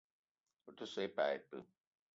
Ou te so i pas ipee?